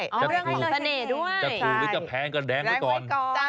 จะภูมิธรรมแพงกับแดงไว้ก่อน